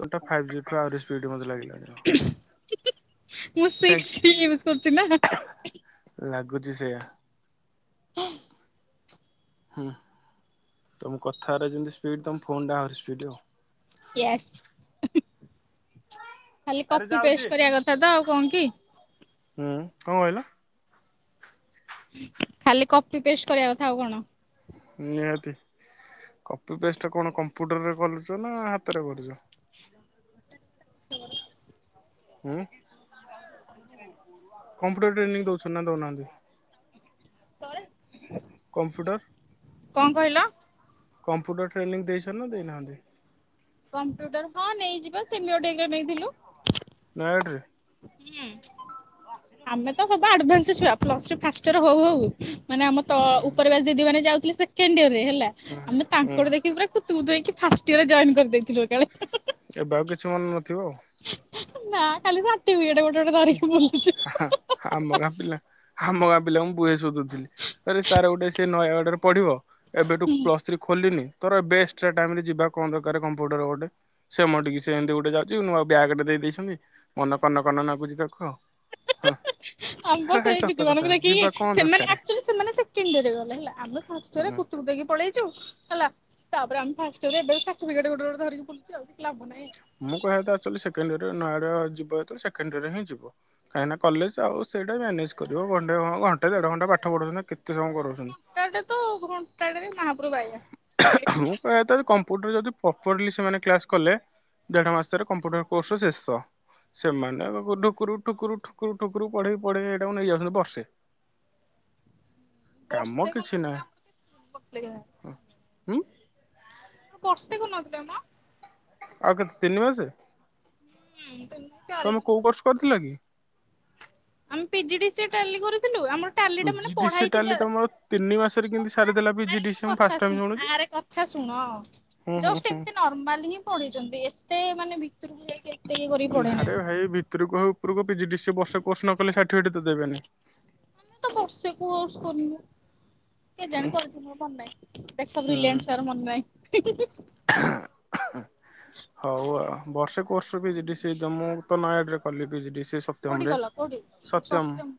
Photo ଫାଇଜି ଠୁ ଆହୁରି ସ୍ପିଡ୍ ଲାଗିଲାଣି। ମୁଁ ସିକ୍ସ ୟୁଜ କରୁଛି ନା [inaudible] ଲାଗୁଛି ସେଆ। ହୁଁ ତମ କଥାଗରା ଯେମିତି ସ୍ପିଡ ତମ ଫୋନ ଟା ଆହୁରି ସ୍ପିଡ ଆଉ। ଖାଲି ଆରେ କପି ଯାଉଛି ପେଷ୍ଟ କରିବା କଥା ତ ଆଉ କଣ କି ହୁଁ କଣ କହିଲ? ଖାଲି କପି ପେଷ୍ଟ କରିବା କଥା ଆଉ କଣ। ନିହାତି କପି ପେଷ୍ଟ କଣ କମ୍ପ୍ୟୁଟରରେ କରୁଛ ନା ହାତରେ କରୁଛ? ହୁଁ [inaudible] ହୁଁ କମ୍ପ୍ୟୁଟର ଟ୍ରେନିଂ ଦଉଛନ୍ତି ନା ଦଉନାହାନ୍ତି? କମ୍ପ୍ୟୁଟର କଣ କହିଲ? କମ୍ପ୍ୟୁଟର ଟ୍ରେନିଂ ଦେଇସାରିଲାଣି ଦେଇନାହାନ୍ତି? କମ୍ପ୍ୟୁଟର ହଁ ନେଇଯିଵା ସେମିଡେଙ୍ଗା ନେଇଥିଲୁ। [unintelligible] ହୁଁ। ଆମେ ତ ହଵା ଆଡଭାସ ଛୁଆ ପ୍ଲସ ଥ୍ରୀ ଫାଷ୍ଟିୟର ହଉ ହଉ ମାନେ ଆମ ତ ହୁଁ ଉପରବ୍ୟାଚ ଦିଦି ମାନେ ଯାଉଥିଲେ ସେକେଣ୍ଡ ଇୟର ରେ ହେଲା ହୁଁ ଆମେ ହୁଁ ତାଙ୍କର ଦେଖିକି ପୁରା ତୁ ଦେଇକି ଫାଷ୍ଟ ଇୟର ଜଏନ୍ କରିଦେଇଥିଲୁ ଏ କାଳେ। ଏବେ ଆଉ କିଛି ମନେ ନଥିବ ଆଉ? ନା ଖାଲି ସାଠିପିକେଟ ଗୋଟେ ଗୋଟେ ଧରିକି ବଲୁଚୁ। ହା ଆମ ଗାଁ ପିଲା ଆମ ଗାଁ ପିଲାଙ୍କୁ କୁହେ ସୁଧୁ [unintelligible] ସାର ସେ ଗୋଟେ ନୟାଗଡ଼ ରେ ପଢ଼ିବ। ଏବେଠୁ ପ୍ଲସ ଥ୍ରୀ ଖୋଲିନି ତ ଏବେ ଏକ୍ସଟ୍ରା ଟାଇରେ ଯିବା କଣ ଦରକାର କମ୍ପ୍ୟୁଟର ଗୋଟେ। ସେ ମୁଁ ଟିକେ ସେ ଏମିତି ଗୋଟେ ଯାଉଛି ନଆଉ ବ୍ୟାଗ୍ ଟେ ଦେଇଛନ୍ତି ମନ କନକନ ନାଗୁଛି ତାକୁ ଆଉ। ହଁ। ଆମ୍ବ ଆରେ ଭାଇ ସେଇ ସତ ଦିଦି କଥା ମାନଙ୍କୁ ଯିବା ଦେଖିକି କଣ ସେମାନେ ଦରକାରେ। ଆଚଲି ସେମାନେ ସେରେ ଗଲେ ହୁଁ ହେମକ ପଳେଇ [inaudible] ହେଲା ତାପରେ ଆମେ ଫାର୍ଷ୍ଟ ୟେର୍ ରେ ସାଠିପିକେଟ ଗୋଟେ ଗୋଟେ ଧରିକି ବୁଲୁଛୁ ଆଉ ଲାଭ ନାହିଁ। ମୁଁ କହିବା ଆକୋଚୋଲି ସେକେଣ୍ଡ ଇରେ ନଆଡଆ ଯିବ ସେକେଣ୍ଡ ଇରେ ହିଁ ଯିବ। କାହିଁକିନା କଲେଜ ଆଉ ସେଇଟା ମ୍ୟାନେଜ କରିବ ଘଣ୍ଟେ ଘଣ୍ଟେ ଦେଢ ଘଣ୍ଟେ ପାଠ ପଢୁଛନ୍ତି କେତ ସମୟ କରାଉଛନ୍ତି। [unintelligible] [unintelligible] ମୁଁ କହିବା କମ୍ପୁଟର ଯଦି ପ୍ରପରଲି ସେମାନେ କ୍ଲାସ କଲେ ଦେଢ ମାସରେ କମ୍ପୁଟର କୋର୍ସ ଶେଷ। ସେମାନେ ଆ ଠୁକୁ ଠୁକୁରୁ ଠୁକୁରୁ ଠୁକୁରୁ ପଢେଇ ପଢେଇ ଏଇଟାକୁ ନେଇ ଯାଉଛନ୍ତି ବର୍ଷେ। [inaudible] କାମ ବର୍ଷେ କିଛି ନାହିଁ [unintelligible] ହୁଁ। ଆମର ବର୍ଷେ କରିନଥିଲେ ମ। ଆଉ କେତେ ତିନି ମାସେ ହୁଁ ତିନି ଚାରି ତମେ ମାସ କୋଉ କୋର୍ସ କରିଥିଲ କି? ଆମେ PG D C A Tally କରିଥିଲୁ ଆମର ଟାଲିଟା ପିଜି ମାନେ ଡି ପଢା ସି ଏ ଟାଲି ହେଇଛି ତମର ତିନି ମାସରେ କିମିତି ଶୁଣୁନା ସାରିଦେଲା ପିଜି ଡି ସି ଏ ମୁଁ ଫାଷ୍ଟ ଟାଇମ୍ ଶୁଣୁଚି। ସାର୍ ଶୁଣ ଜଷ୍ଟ ଏମିତି ନର୍ମାଲ ହିଁ ପଢେଇଚନ୍ତି ଏତେ ମାନେ ଭିତୁରୁ କୁ ଯାଇକି ଇଏ କରିକି ପଢେଇ ଧାରେ ନାହାନ୍ତି। ଭାଇ ଭିତୁରୁକୁ ହଉ ଉପୁରୁକୁ ପିଜି ଡି ସି ଏ ବର୍ଷେ କୋର୍ସ ନ କଲେ ସାର୍ଟିଫିକେଟ ତ ଦେବେନି। ଆମେ ତ ବର୍ଷେ କୋର୍ସ କନୁ କେଜାଣି କରିଥିବୁ ମନେ ନାଇଁ ହୁଁ। [unintelligible] ମନ [unintelligible] ହିଁ ହିଁ ହିଁ। [inaudible] ହଉ ଆଉ ବର୍ଷେ କୋର୍ସ ର ପିଜି ଡି ସିଏ ତ ମୁଁ ତ ନୟାଗଡ଼ ରେ କଲି ପିଜି ଡି ସିଏ ସ କୋଉଠି କଲ କୋଉଠି ସତ୍ୟମ୍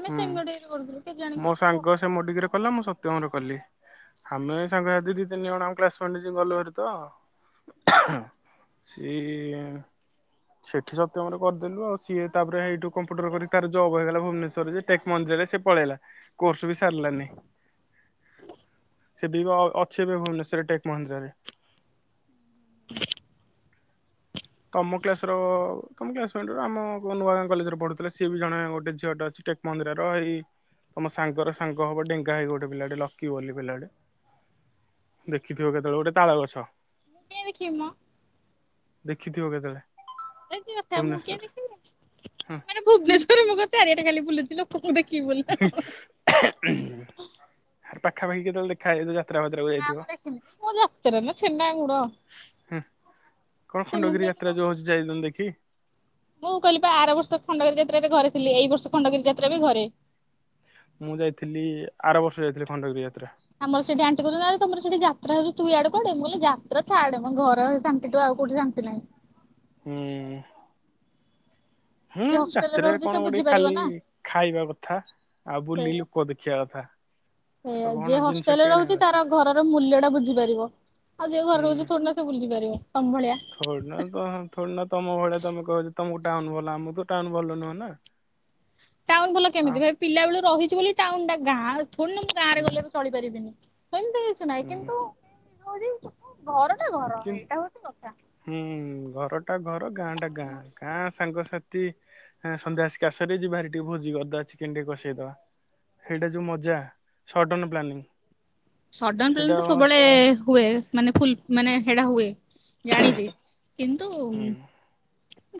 ଆମେ ସେ [unintelligible] କରୁଥିଲୁ କେଜାଣି କେତେ ପ ସିଏ ମୋଡିକି ରେ କଲା ମୁଁ ସତ୍ୟମ୍ ରେ କଲି ଆମେ ସାଙ୍ଗ ଆଦି ଦି ତିନି ଜଣ ଆମ କ୍ଲାସ ମେଟ୍ ଗଲୁ ହେରି ତ ସିଏ ସେଠି ସତ୍ୟମ୍ ରେ କରିଦେଲୁ ଆଉ ସିଏ ତାପରେ ହେଇଠୁ କମ୍ପ୍ୟୁଟର କରି ତାର ଜବ୍ ହେଇଗଲା ଭୁବନେଶ୍ୱରରେ। ଟେକମହେନ୍ଦ୍ରାରେ ସେ ପଳେଇଲା କୋର୍ସ ବି ସାରିଲାନି। ସେ ଦିବ ଅଛି ଏବେ ଭୁବନେଶ୍ୱର ର ଟେକ୍ ମହେନ୍ଦ୍ରାରେ। ତମ କ୍ଲାସ ର ତମ କ୍ଲାସ୍ ମେଣ୍ଟ ର ଆମ ନୂଆଗାଁ କଲେଜରେ ପଢୁଥିଲା ସିଏ ବି ଜଣେ ଗୋଟେ ଝିଅ ଟେ ଅଛି ଟେକ୍ ମହେନ୍ଦ୍ରାର ଏଇ ତମ ସାଙ୍ଗର ସାଙ୍ଗ ହବ ଡେଙ୍ଗା ହେଇକି ଗୋଟେ ପିଲାଟେ ଲକି ବୋଲି ପିଲାଟେ। ଦେଖିଥିବ କେତଳେ ଗୋଟେ ତାଳ ଗଛ। [unintelligible] ଦେଖିବି ମ ଦେଖିଥିବ କେତଳେ। ଇଏ କି କଥା ମୁଁ କେମିତି ଦେଖି ମାନେ ଭୁବନେଶ୍ୱରରେ ମୁଁ ଚାରିଆଡ଼େ ଖାଲି ବୁଲୁଚି ଲୋକଙ୍କୁ ଦେଖିବି ବୋଲି। ହିଁ ହିଁ ପାଖାପାଖି କେତଳେ ଦେଖାହେଇ ଯାଇଥିବ ଯା ନା ମୁଁ ଦେଖିନି ମୋ ରକ୍ତରେ ନା ଛେନା ଗୁଡ। ହୁଁ କଣ ଚିନି ଖଣ୍ଡଗିରି ଯାତ୍ରା ନେଇକି ଯଉ ହୋଉଚି ଯାଇନ ଦେଖି? ମୁଁ କହିଲିପା ଆର ବର୍ଷ ଖଣ୍ଡଗିରି ଯାତ୍ରା ରେ ଘରେ ଥିଲି ଏଇ ବର୍ଷ ଖଣ୍ଡଗିରି ଯାତ୍ରା ବି ଘରେ। ମୁଁ ଯାଇଥିଲି ଆର ବର୍ଷ ଯାଇଥିଲି ଖଣ୍ଡଗିରି ଯାତ୍ରା। ଆମର ସେଇଠି ଆଣ୍ଟି କଉଛନ୍ତି ଆରେ ତମର ସେଠି ଯାତ୍ରା ହଉଚି ତୁ ଇଆଡ଼େ କୁଆଡ଼େ ମୁଁ କଇଲି ଯାତ୍ରା ଛାଡେ ମ ଘର ତା ସେଟୁ ଆଉ କୋଉଠି ଶାନ୍ତି ନାହିଁ। ହୁଁ। ହୁଁ ଯିଏ ହଷ୍ଟେଲରେ ରାତିରେ ରହୁଛି ସେ କଣ ଗୋଟେ ବୁଝିପାରିବ ଖାଲି ନା ଖାଇବା କଥା। ଆଉ ବୁଲି ଲୋକ ଦେଖିବା କଥା। ଆଉ ଏଇଆ କଣ ଯିଏ ଜିନିଷ ହଷ୍ଟେଲ ରେ କିଣିବା ରହୁଚି କଥା ତାର ଘରର ମୂଲ୍ୟ ଟା ବୁଝିପାରିବ ଆଉ ଯିଏ ଘରେ ହୁଁ। ରହୁଚି ଥୋଡ଼ି ନା ସେ ବୁଝି ପାରିବ ତମ ଭଳିଆ। ଥୋଡିନା ତମ ଥୋଡିନା ତମ ଭଳିଆ ତମେ କଉଚ ତମକୁ ଟାଉନ ଭଲ ଆମକୁ ତ ଟାଉନ ଭଲ ନୁହଁ ନା। ଟାଉନ ଭଲ ହଁ କେମିତି ଭାଇ ପିଲା ବେଳୁ ରହିଚୁ ବୋଲି ଟାଉନ ଟା ଗାଁ ଥୋଡ଼ିନା ମୁଁ ଗାଁରେ ହୁଁ ଗଲେ ଏବେ ଚଳି ପାରିବିନି ସେମିତି କିଛି ନାହିଁ ହୁଁ କିନ୍ତୁ ମେନ୍ ଜିନଷ ହଉଚି ଘର ଟା ଘର। କି ଏଇଟା ହଉଛି କଥା। ହୁଁ ଘର ଟା ଘର ଗାଁ ଟା ଗାଁ। ଗାଁ ସାଙ୍ଗସାଥି ଏ ସନ୍ଧ୍ୟାଆସି କି ଆସରେ ରେ ଯିବା ହେରି ଟିକେ ଭୋଜି କରିଦବା ଚିକେନ ଟିକେ କସେଇଦବା। ସେଇଟା ଯଉ ମଜା ସଡନ ପ୍ଲାନିଂ। ସଡନ୍ ସେଇଟା ପ୍ଲାନିଙ୍ଗ ତ ସବୁବେଳେ ହୁଁ ହୁଏ ମାନେ ଫୁଲ ମାନେ ସେଟା ହୁଏ ଜାଣିଚି। କିନ୍ତୁ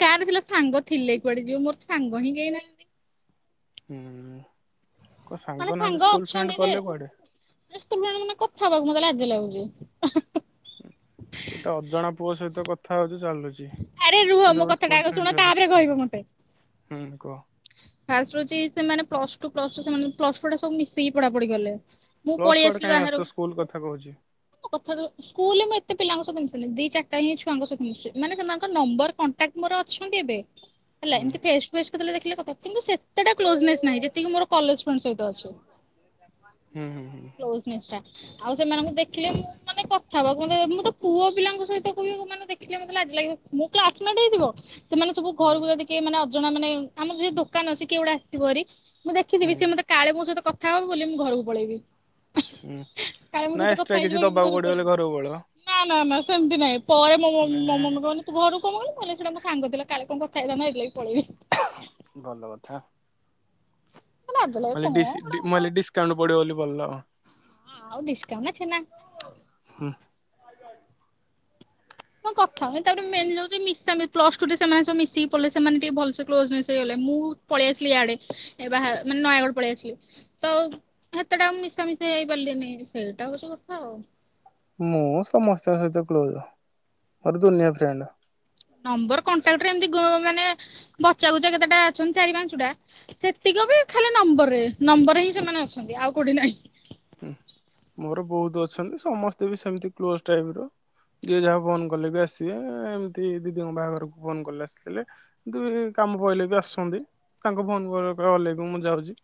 ଗାଁରେ ଥିଲେ ସାଙ୍ଗ ଥିଲେ କୁଆଡେ ଯିବ ମୋର ସାଙ୍ଗ ହିଁ କେହି ନାହାଁ ହୁଁ କଣ ମାନେ ସାଙ୍ଗ ନାହାନ୍ତି ସ୍କୁଲ ଫ୍ରେଣ୍ଡ ଗଲେ କୁଆଡେ? ଏ ସେମାନେ ମାନେ କଥାହେବାକୁ ମତେ ଲାଜ ଲାଗୁଚି। ଗୋଟେ ଅଜଣା ପୁଅ ସହିତ କଥା ହଉଚ ଚାଲୁଚି। ଚି ଆରେ ରୁହ ମୋ କିନ୍ତୁ ଗୋଟେ କଥାଟା ସ୍କୁଲ୍ ଆଗ ଶୁଣ ଫ୍ରେଣ୍ଡ୍ ସହିତ ତାପରେ କଥା କହିବ ମତେ ହଉନ ହୁଁ କୁଅ। ଫାଷ୍ଟ ରେ ହଉଚି ସେମାନେ ପ୍ଲସ ଟୁ ପ୍ଲସ ସେମାନେ ପ୍ଲସ ଟୁ ଏଡ଼ା ସବୁ ମିଶିକି ପଢା ପଡିିକଲେ। ପ୍ଲସ୍ ଟୁ ଆଡ଼ୋ କାହିଁ ଆସୁ ସ୍କୁଲ କହୁଚି। ମୋ କଥା କର ସ୍କୁଲ ମୁଁ ଏତେ ପିଲାଙ୍କ ସହିତ ମିସିନି ଦି ଚାରିଟା ହିଁ ଛୁଆଙ୍କ ସହି ମିଶି ମାନେ ସେମାନଙ୍କ ନମ୍ବର କଣ୍ଟାକ୍ଟ ମୋର ଅଛନ୍ତି ଏବେ ହେଲା ହୁଁ ଏମତି ଫେ ଫେସେ କେତେବେଳେ ଦେଖିଲେ କଥା କିନ୍ତୁ ସେତେଟା କ୍ଲୋଜନେସ୍ ନାହିଁ ଯେତିକି ମୋର କଲେଜ ଫ୍ରେଣ୍ଡ ସହିତ ଅଛି। ହୁଁ ହୁଁ ହୁଁଁ। ନିଶ୍ଚୟ ଆଉ ସେମାନଙ୍କୁ ଦେଖିଲେ ମୁଁ ମାନେ କଥା ହବାକୁ ମମୋତେ ମୁଁ ତ ପୁଅ ପିଲାଙ୍କ ସହିତ କୋବି ମାନେ ଦେଖିଲେ ମତେ ମୋ ଲାଜ ଲାଗିବ ମୋ କ୍ଲାସମେଟ ହେଇଥିବ ସେମାନେ ସବୁ ଘରକୁ ଯଦି ଏ ମାନେ ଅଜଣା ମାନେ ଆମର ଯ ଦୋକାନ ଅଛି କିଏ ଗୋଟା ଆସିବ ହାରି ମୁଁ ଦେଖିଥିବି ହୁଁ ସେ ମତେ କାଳେ ମୋ ସହିତ କଥା ହବ ବୋଲି ମୁଁ ଘରକୁ ପଳେଇବି। ହୁଁ କାଳେ ମୋ ନା ସହିତ ଏକ୍ସଟ୍ରା କଥା କିଛି ହେଇଯିବକି ମୁଁ ଦବାକୁ ଘରକୁ ପଡିବ ପଳେବି। ବଲେ ପଳେଇବ ନା ନା ନା ସେମିତି ନାଇଁ ପରେ ମୋ ନା ମୋ ମୋ କହନି ତୁ ଘରୁ କମ ଗଳୁ ମୁଁ କହିଲେ ସେଟା ମୋ ସାଙ୍ଗ ଥିଲା କାଳେ କଣ କଥା ହେଇଥାନ୍ତେ ମୁଁ ହେଇତି ଲାଗି ପଳେଇଲି ଭଲ କଥା ଲାଜ ଲାଗେ ମୁଁ କଣ କଇଲି ଗୋଟେ ଡି ମୁଁ କଥା ଡିସକାଉଣ୍ଟ ପଡିବ ବୋଲି ଭଲ ଆଉ ଡ଼ିସକାଉଣ୍ଟ ନା ଛେନା ହୁଁ। ହଁ କଥା ତାପରେ ତା ପରେ ମେନ ଜିନିଷ ହଉଚି ସବୁ ମିଶିକି ପ୍ଲସ ଟୁ ଠୁ ସେମାନେ ସବୁ ମିଶିକି ପଳେଇଲେ ସେମାନେ ଟିକେ ଭଲ ସେ କ୍ଲୋଜନେସ ହେଇଗଲେ ମୁଁ ପଳେଇ ଆସିଲି ଇଆଡେ ବାହାର ମାନେ ନୟାଗଡ ପଳେଇ ଆସିଲି ତ ସେତେଟା ମୁ ମିଶା ମିଶା ହେଇପାରିଲିନି ସେଇଟା ହଉଛି କଥା ଆଉ ମୁଁ ସମସ୍ତଙ୍କ ସହିତ କ୍ଲୋଜ ମୋର ଦୁନିଆ ଫ୍ରେଣ୍ଡ ନମ୍ବର କଣ୍ଟାକ୍ଟରେ ଏମିତି ଗୋ ମାନେ ବଚା କୁଚା କେତେଟା ଅଛନ୍ତି ଚାରି ପାଞ୍ଚୁଟା ସେତିକ ବି ଖାଲି ନମ୍ବରରେ ନମ୍ବରରେ ହିଁ ସେମାନେ ଅଛନ୍ତି ଆଉ କୋଉଠି ନାହିଁ। ହୁଁ ମୋର ବହୁତ ଅଛନ୍ତି ସମସ୍ତେ ବି ସେମିତି କ୍ଲୋଜ ଟାଇପ ର ଯିଏ ଯାହା ଫୋନ କଲେ ବି ଆସିବେ ଏମିତି ଦିଦିଙ୍କ ବାହାଘରକୁ ଫୋନ କଲେ ଆସିଥିଲେ। ଦୁ ଇ କାମ ପିଇଲେ ବି ଆସନ୍ତି ତାଙ୍କ ଫୋନ କଲ କଲେ ବି ମୁଁ ଯାଉଚି।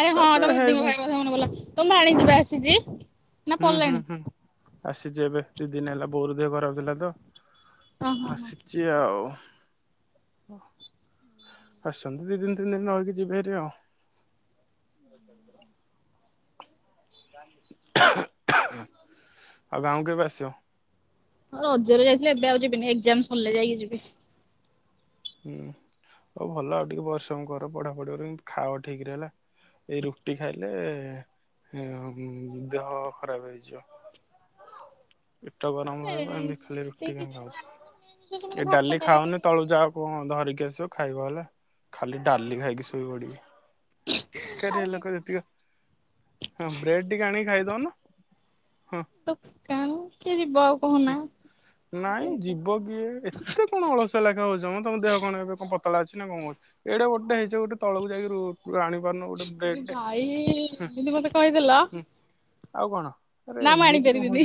ଆରେ ହଁ ତମ ଦିଦିଙ୍କ ଭାଇଙ୍କ କଥା ମାନେ ପଡିଲା ତମ ଭାଣିଜୀ ବା ଆସିଚି? ହୁଁ ହୁଁ ହୁଁ ଆସିଚି ଏବେ ଦି ଦିନ ହେଲା ବୋଉ ର ଦେହ ଖରାପ ଥିଲା ତ। ଓହୋ ହୋ ହାସିଚି ଆଉ ଆସଚନ୍ତି ଦି ଦିନ ତିନି ଦିନ ରହିକି ଯିବି ହାରି ଆଉ ଆଉ ଗାଁ କୁ କେବେ ଆସିବ। ହଁ ରଜରେ ଯାଇଥିଲି ଏବେ ଆଉ ଯିବିନି ଏକ୍ଜାମ୍ ସର୍ଲେ ଯାଇଁକି ଯିବି। ହୁଁ ଆଉ ଭଲ ଆଉ ଟିକେ ପରିଶ୍ରମ କର ପଢା ପଢି ରେ କିନ୍ତୁ ଖାଅ ଠିକ୍ ରେ ହେଲା। ଏଇ ରୁଟି ଖାଇଲେ ହୁଁ ମ ଦେହ ଖରାପ ହେଇଯିବ। [inaudible] ପେଟ ଗରମ୍ ରହିବ ଏମିତି ଖାଲି ରୁଟି କାଇଁ କିଛି ଖାଉଚ ନାହିଁ ମ, ଏ ଭାତ ଡାଲି ଖାଇଲି ଖାଅନି ଟିକେ ତଳୁ ଯାଅ କଣ ଧରିକି ଆସିବ ଖାଇବ ହେଲା ଖାଲି ଡାଲି ଖାଇକି ଶୋଇ ପଡ଼ିବି ଆଉ ବେକାରିଆ କି ଲୋକ ଯେତିକ ହଁ ବ୍ରେଡ ଟିକେ ଆଣି ଖାଇକି ଦଉନୁ। ଦୋକନ କିଏ ଯିବ ଆଉ। କହୁନା? ଆଉ ନାଇଁ କିଏ ଯିବ କିଏ ଏ ଏତେ କଣ ଅଳସୁଆ ଲେଖେ ହଉଛ ମ ତମ ଦେହ କଣ ଏତେ ପତଳା ଅଛି ନା କଣଅଛି। ଏଡ଼େ ମୋଟା ହେଇଚ ଗୋଟେ ତଳକୁ ଯାଇକି ରୋ ତୁ ଆଣି ପାରୁନୁ ଗୋଟେ ବ୍ରେଡ଼୍ ଟେ ଭାଇ ହୁଁ ଏମିତି ମତେ ହୁଁ ଆଉ କଣ। ଆରେ ନାଁ ମୁଁ ଆଣି ପାରିବିନି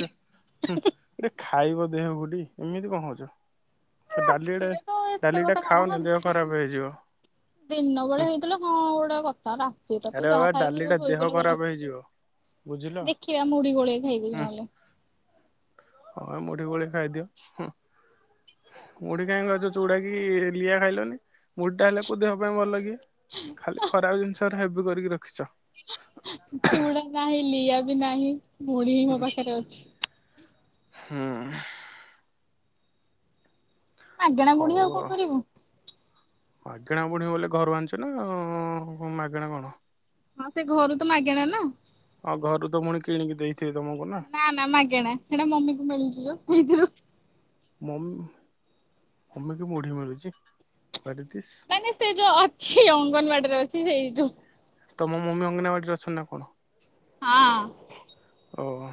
ଇରେ ଖାଇବ ଦେହ କୁ ଟି ଏମିତି କଣ ହଉଚ। ଡାଲିଡ଼େ ରାତିରେ ତ ଏତେ ଡାଲି ଟା କଥା କଣ ହଁ ଖାଅନି ଦିନ ଦେହ ଖରାପ୍ ହେଇଯିବ। ଦିନ ବଳେ ହୁଁ ହେଇଥିଲେ ହଁ ଗୋଡ଼େ କଥା ରା ରାତି ତା ତ ଆରେ ଯାହା ବାବା ଖାଇକି ଡାଲି ଟା ଶୋଇ ଦେହ ପଡିଲେ ଗଲା ଖରାପ ହେଇଯିବ ବୁଝିଲ ଦେଖିବା ମୁଡ଼ି ଗୋଳେଇ ଖାଇଦେବି ନହେଲେ। ଆ ମୁଡ଼ି ଗୋଳେଇ ଖାଇଦିଅ ହୁଁ। ମୁଡ଼ି କାଇଁ ଖାଉଚ ଚୁଡ଼ା କି ଲିଆ ଖାଇଲନି। ମୁଟା ହେଲେ କୁ ଦେହ ପାଇଁ ବଲ କି ଖାଲି ଖରାପ୍ ଜିନିଷ ହେଡ଼ା ହେବି କରିକି ରଖିଛ। ଚୁଡ଼ା କାହିଲି ଏବେ ନାହିଁ ମୁଢ଼ି ହିଁ ମୋ ପାଖରେ ଅଛି। ହୁଁ। ମାଗେଣା ମୁଢି ହଉ କଣ ଆଉ। କରିବୁ? ମାଗଣା ମୁଢ଼ୀ ବୋଲେ ଘରୁ ଆଣିଛ ନା ମାଗେଣା କଣ ହଁ ସେ ଘରୁ ତ ମାଗେଣା ନା ହଁ ଘରୁ ତ ପୁଣି କିଣିକି ଦେଇ ଥିବେ ତମକୁ ନା ନା ନା ମାଗେଣା ହେଟା ମମି କୁ ମିଳୁଛୁ ଯୋଉ ହେଇଥିରୁ ମମି କୁ ମୁଢ଼ି ମିଳୁଛି? ହ୍ୱାଟିଜ୍ ଦିଶ୍। ମାନେ ସେ ଯୋଉ ଅଛି ଅଙ୍ଗନ୍ବାଡ଼ିରେ ଅଛି ହେଇ ଯୋଉ ତମ ମମି ଅଙ୍ଗନାବାଡ଼ିରେ ଅଛନ୍ ନା କଣ? ହଁ। ଓହୋ।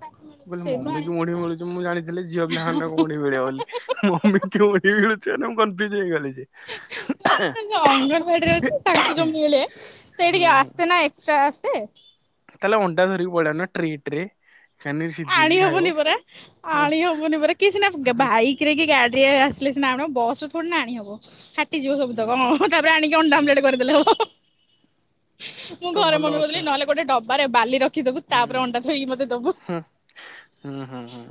ତାକୁ ମୁ ମିଳୁଛି କହିଲି ସେଇଠୁ ମମି କୁ ଆଣିବା ମୁଢି ମିଳୁଛି, କଥା ମୁଁ ଜାଣିଥିଲି ଝିଅ ପିଲା ମାନଙ୍କୁ ମୁଢ଼ି ମିଳେ ବୋଲି। ମମି କି ମୁଡ଼ି ମିଳୁଛି ବୋଲି ମୁ କନ୍ଫିଉଜ୍ ହେଇଗଲି ଯେ ମାନେ ସେ ଯୋଉ ଅଙ୍ଗନବାଡ଼ିରେ ଅଛି ତାଙ୍କୁ ଯୋଉ ମିଳେ ହୁଁ ସେଟିକି ଆସେ ନା ଏକ୍ସଟ୍ରା ଆସେ। ତାଏଲେ ଅଣ୍ଡା ଧରିକି ପଳେଇଆଉନ ଟ୍ରେ ଟ୍ରେ ଚାନିଶି ଆଣି ହବନି ପରା, ଆଣି ହବନି ପରା କିଏ ସିନା ଗେ ବାଇ କିରେ କି ଗାଡ଼ିରେ ଆସିଲେ ସିନା ଆଣିବ, ବସ୍ ରେ ଥୋଡି ନା ଆଣିହବ ଫାଟିଯିବ ସବୁ ତକ, ଅଁ ତାପରେ ଆଣିକି ହୁଁ ଅଣ୍ଡାଆମ୍ଲେଟ୍ କରିଦେଲେ ହବ। ମୁଁ ତ ଘରେ ଭଲ ମମି କଉଥିଲେ କଥା କି ନହେଲେ ଗୋଡ଼େ ଡବାରେ ବାଲି ରଖ୍ ହୁଁ ହଁ ହୁଁ,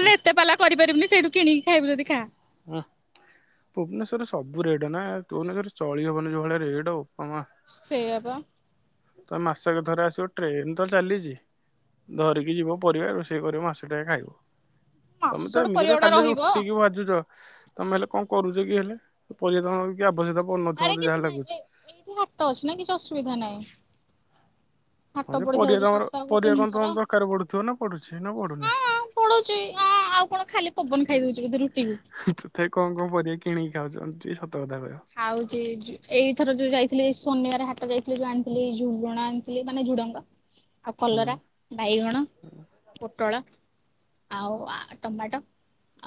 ହୁଁ ଏତେପାଲା କରିପାରିବୁନି ସେଇଠୁ କିଣିକି ଖାଇବୁ ଯଦି ଖା। ହୁଁ ଭୁବନେଶ୍ବର ସବୁ ରେଟ୍ ନା ଭୁବନେଶ୍ବର ଚଳି ହବନି ଯୋଉ ଭଳିଆ ରେଟ ବୋପାମା ସେୟା ବା। ତ ମାସେକ ଥରେ ଆସିବ ଟ୍ରେନ୍ ତ ଚାଲିଚି। ଧରିକି ଯିବ ପରିଆ ରୋଷେଇ କରିବ ମାସେ ଟାଏ ଖାଇବ। ତମେ ତ ମାସଟେ ପରିବା ଏମିତିରେ ଗୁଡା ଖାଲି ରହିବ ରୁଟିକି ବାଜୁଚ। ତମେ ହେଲେ କଣ କରୁଛ କି ହେଲେ, ପରିବା ଆବଶ୍ୟକତା ପଡୁନିଥିବ ଆରେ ମତେ କିଛି ଯାହା ନାହିଁ ଏ ଲାଗୁଛି। ଏଇଠି ହାଟ ଅଛି ନା କିଛି ଅସୁବିଧା ନାହିଁ। ହାଟ ହଁ ଯେ ପରିବା ପଡିଥାଉଛି ତମର ସପ୍ତାହକୁ ପରିବା ତିନି କଣ ଥର ତମ ଦରକାର ପଡୁଥିବ ନା ପଡୁଛି ନା ପଡୁନି? ପଡୁଚି, ଅଁ ଆଉ କଣ ଖାଲି ପବନ ଖାଇଦଉଛି ବୋଧେ ରୁଟି କୁ। ତଥାପି କଣ କଣ ପରିବା କିଣିକି ଖାଉଛନ୍ତି ମତେ ଟିକେ ସତ କଥା କହିବ? ଖାଉଛି ଏଇଥର ଯୋଉ ଯାଇଥିଲି ଶନିବାର ହାଟ ଯାଇଥିଲି ଯୋଉ ଆଣିଥିଲି ଝୁଣ ଆଣିଥିଲି ମାନେ ଝୁଡଙ୍ଗ ଆଉ ହୁଁ କଲରା, ବାଇଗଣ, ପୋଟଳ ଆଉ ଟମାଟୋ,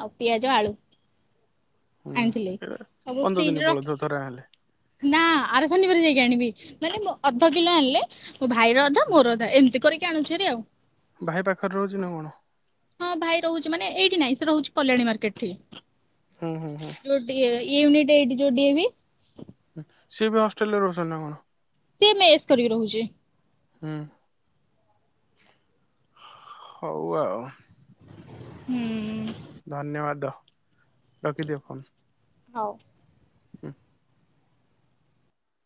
ଆଉ ପିଆଜ ଆଳୁ ଆଣିଥିଲି ସବୁ ଫ୍ରିଜ୍ ରେ ର ଚଉଦ ଥର ହେଲେ ନା ଆର ଶନିବାର ଯାଇକି ଆଣିବି। ମାନେ ଅଧ କିଲୋ ଆଣିଲେ ମୋ ଭାଇର ଅଧା ମୋର ଅଧା ଏମିତି କରିକି ଆଣୁଛୁ ହାରି ଭାଇ ପାଖରେ ରହୁଛି ନା କଣ? ହଁ ଭାଇ ରହୁଛି ମାନେ ଏଇଠି ନାଇଁ ସେ ରହୁଛି କଲ୍ୟାଣୀ ମାର୍କେଟ ରେ। ହୁଁ ହୁଁ ହୁଁ। ଯୋଉ ଟିକେ ୟୁନିଟ ଏଇଟି ଯଉ ଡି ଏ ବି? ସିଏ ବି ହଷ୍ଟେଲରେ ରହୁଛନ୍ତି ନା କଣ? ସିଏ ମେସ୍ କରିକି ରହୁଛି। ହୁଁ। ହଉ ଆଉ। ହୁଁ। ଧନ୍ୟବାଦ ରଖିଦିଅ ଫୋନ। ହଉ। ହୁଁ।